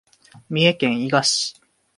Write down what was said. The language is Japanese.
三重県伊賀市